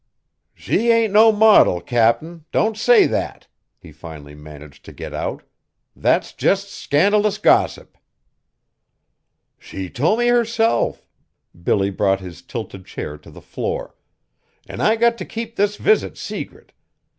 "She ain't no modil, Cap'n, don't say that!" he finally managed to get out; "that's jest scandalous gossip." "She told me herself!" Billy brought his tilted chair to the floor; "an' I got t' keep this visit secret.